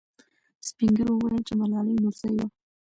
سپین ږیرو وویل چې ملالۍ نورزۍ وه.